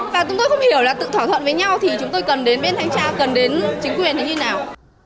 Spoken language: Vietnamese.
và chúng tôi không hiểu là tự thỏa thuận với nhau thì chúng tôi cần đến bên thanh tra cần đến chính quyền thì như thế nào